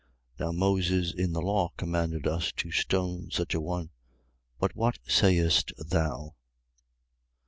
8:5. Now Moses in the law commanded us to stone such a one. But what sayest thou?